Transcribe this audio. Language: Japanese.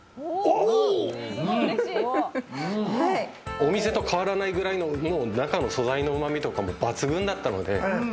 お店と変わらないくらいの中の素材とかうまみも抜群だった。